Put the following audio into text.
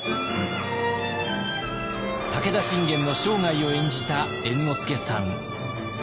武田信玄の生涯を演じた猿之助さん。